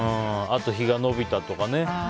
あと日が延びたとかね。